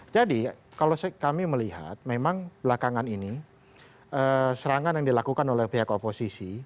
jadi kalau kami melihat memang belakangan ini serangan yang dilakukan oleh pihak oposisi